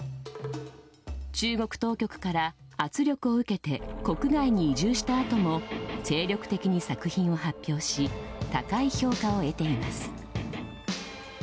中国当局から圧力を受けて国外に移住したあとも精力的に作品を発表し高い評価を得ています。